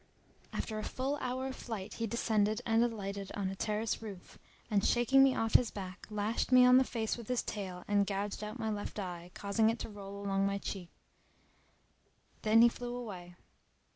After a full hour of flight he descended and alighted on a terrace roof and shaking me off his back lashed me on the face with his tail and gouged out my left eye causing it roll along my cheek. Then he flew away.